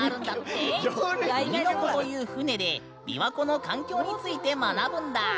「うみのこ」という船で琵琶湖の環境について学ぶんだ。